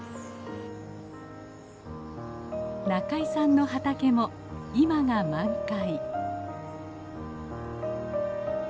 仲井さんの畑も今が満開。